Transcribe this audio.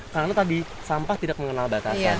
karena tadi sampah tidak mengenal batasan